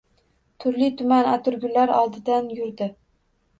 Turli-tuman atirgullar oldidan yurdi.